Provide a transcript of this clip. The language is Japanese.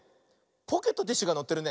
ポケットティッシュがのってるね。